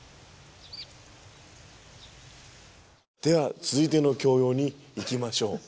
では続いての教養にいきましょう。